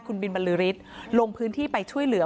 คุณบินบรรลือฤทธิ์ลงพื้นที่ไปช่วยเหลือ